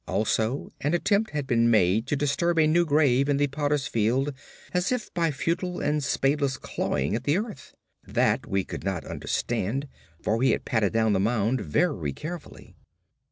Also, an attempt had been made to disturb a new grave in the potter's field, as if by futile and spadeless clawing at the earth. That we could not understand, for we had patted down the mould very carefully.